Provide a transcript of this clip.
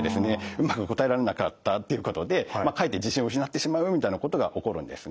うまく答えられなかったっていうことでかえって自信を失ってしまうみたいなことが起こるんですね。